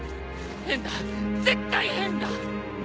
変だ絶対変だ！